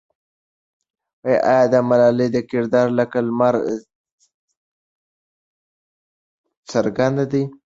آیا د ملالۍ کردار لکه لمر څرګند دی؟